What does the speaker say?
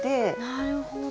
なるほど。